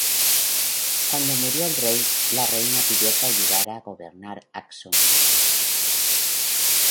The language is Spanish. Cuando murió el rey, la reina pidió que ayudara a gobernar Aksum.